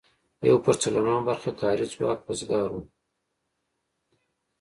یو پر څلورمه برخه کاري ځواک وزګار و.